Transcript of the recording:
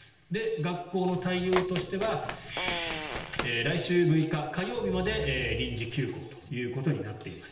学校の対応としては来週６日、火曜日まで臨時休校ということになっています。